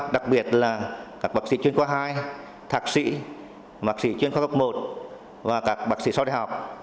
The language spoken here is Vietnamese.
đặc biệt là các bác sĩ chuyên khoa hai thạc sĩ bác sĩ chuyên khoa cấp một và các bác sĩ sau đại học